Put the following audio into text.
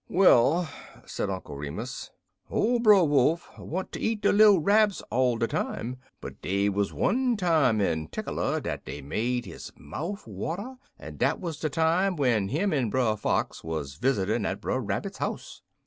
"Well," said Uncle Remus, "ole Brer Wolf want ter eat de little Rabs all de time, but dey wuz one time in 'tickeler dat dey make his mouf water, en dat wuz de time when him en Brer Fox wuz visitin' at Brer Rabbit's house.